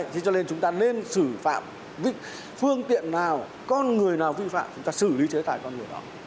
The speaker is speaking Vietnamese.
thế cho nên chúng ta nên xử phạm phương tiện nào con người nào vi phạm chúng ta xử lý chế tài con người đó